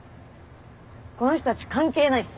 この人たち関係ないっす。